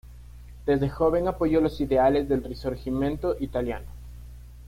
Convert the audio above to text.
Desde joven apoyó los ideales del Risorgimento italiano.